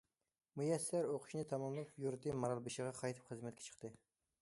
مۇيەسسەر ئوقۇشىنى تاماملاپ يۇرتى مارالبېشىغا قايتىپ خىزمەتكە چىقتى.